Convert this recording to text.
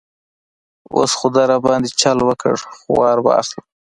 اوس خو ده را باندې چل وکړ، خو وار به اخلم.